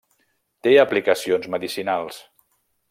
Té aplicacions medicinals.